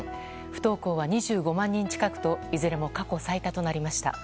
不登校は２５万人近くといずれも過去最多となりました。